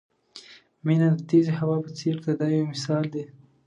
مینه د تېزې هوا په څېر ده دا یو مثال دی.